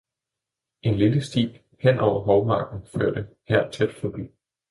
- En lille sti, hen over hovmarken, førte tæt her forbi.